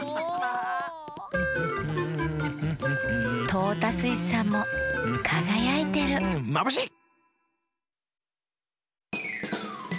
トータスイスさんもかがやいてるまぶしい！